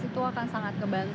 itu akan sangat ngebantu